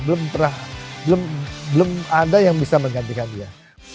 belum ada yang bisa menggantikan dia